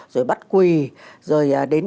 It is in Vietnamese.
rồi bắt quỳ rồi đến